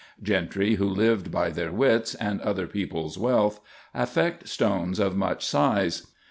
Gentry who lived by their wits and other people's wealth, affect stones of much size.